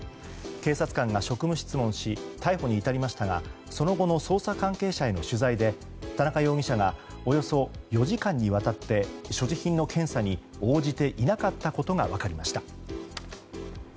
警察官が職務質問し逮捕に至りましたがその後の捜査関係者への取材で田中容疑者がおよそ４時間にわたって所持品の検査に応じていなかったことが分かりました。